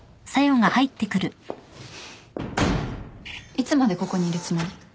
・・いつまでここにいるつもり？